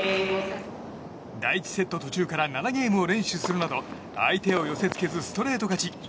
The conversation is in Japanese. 第１セット途中から７ゲームを連取するなど相手を寄せ付けずストレート勝ち。